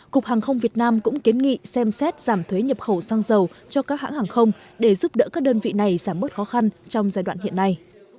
cục hàng không việt nam cũng kiến nghị xem xét giảm thuế nhập khẩu xăng dầu cho các hãng hàng không để giúp đỡ các đơn vị này giảm bớt khó khăn trong giai đoạn hiện nay